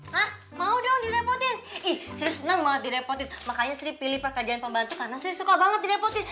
hah mau dong direpotin ih siri senang banget direpotin makanya siri pilih pekerjaan pembantu karena siri suka banget direpotin